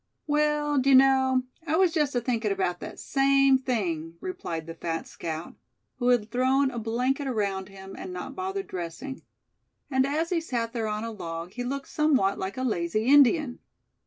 "Well, d'ye know, I was just athinkin' about that same thing," replied the fat scout, who had thrown a blanket around him, and not bothered dressing; and as he sat there on a log he looked somewhat like a lazy Indian.